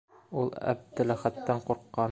Ә ул Әптеләхәттән ҡурҡҡан.